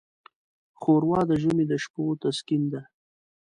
ښوروا د ژمي د شپو تسکین ده.